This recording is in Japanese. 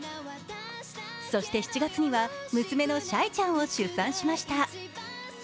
そして７月には娘のシャイちゃんを出産しました。